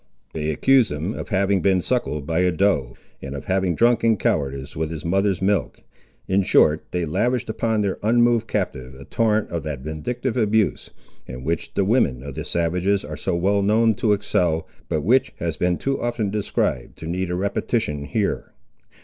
They accused him of having been suckled by a doe, and of having drunk in cowardice with his mother's milk. In short, they lavished upon their unmoved captive a torrent of that vindictive abuse, in which the women of the savages are so well known to excel, but which has been too often described to need a repetition here.